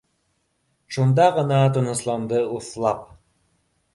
Шунда ғына тынысланды уҫлап